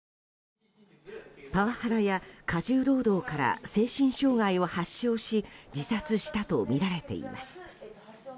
パワハラや過重労働から精神障害を発症し自殺したとみられています。